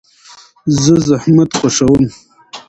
زه زحمت خوښوم.